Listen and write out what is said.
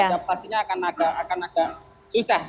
adaptasinya akan agak susah